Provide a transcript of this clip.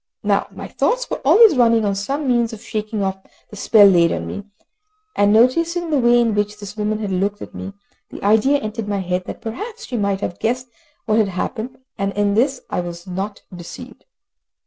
Now my thoughts were always running on some means of shaking off the spell laid on me, and noticing the way in which this woman had looked at me, the idea entered my head that perhaps she might have guessed what had happened, and in this I was not deceived.